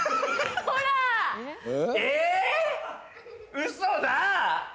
ウソだ！